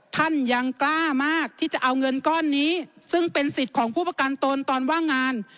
ท่านยังกล้ามากที่จะเอาเงินก้อนนี้ซึ่งเป็นสิทธิ์ของผู้ประกันตนตอนว่างงาน